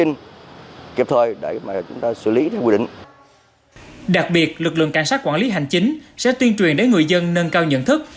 ngoài kiểm tra lực lượng công an sẽ tuyên truyền đến người dân nâng cao nhận thức